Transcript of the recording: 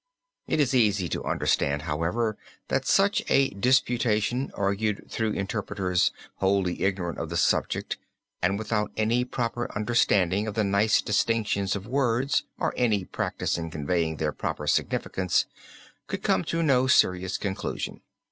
It is easy to understand, however, that such a disputation argued through interpreters wholly ignorant of the subject and without any proper understanding of the nice distinctions of words or any practise in conveying their proper significance, could come to no serious conclusion.